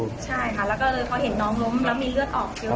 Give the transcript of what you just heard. ใช่ค่ะแล้วก็เลยพอเห็นน้องล้มแล้วมีเลือดออกเยอะ